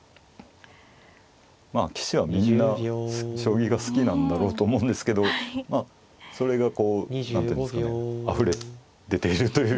まあ棋士はみんな将棋が好きなんだろうと思うんですけどそれがこう何ていうんですかねあふれ出ているという感じはありますね。